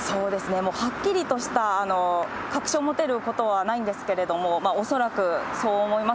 もうはっきりとした確信を持てることはないんですけれども、恐らくそう思います。